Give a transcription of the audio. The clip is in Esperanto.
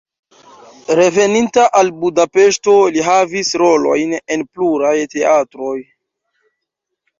Reveninta al Budapeŝto li havis rolojn en pluraj teatroj.